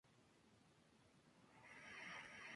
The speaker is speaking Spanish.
Sus abuelos eran originarios del Estado mexicano de Guanajuato.